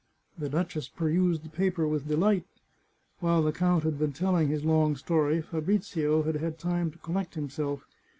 The duchess perused the paper with delight. While the count had been telling his long story Fabrizio had had time to collect himself.